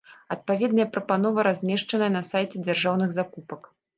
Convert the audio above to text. Адпаведная прапанова размешчаная на сайце дзяржаўных закупак.